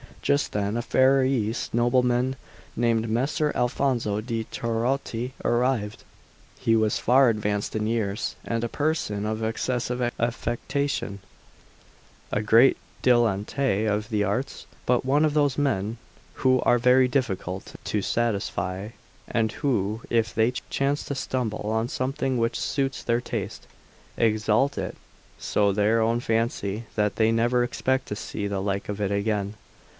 Just then a Ferrarese nobleman named Messer Alfonso de' Trotti arrived. He was far advanced in years, and a person of excessive affectation; a great dilettante of the arts, but one of those men who are very difficult to satisfy, and who, if they chance to stumble on something which suits their taste, exalt it so in their own fancy that they never expect to see the like of it again.